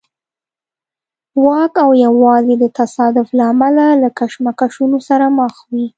واک او یوازې د تصادف له امله له کشمکشونو سره مخ وي.